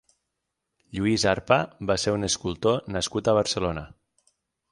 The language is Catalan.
Lluís Arpa va ser un escultor nascut a Barcelona.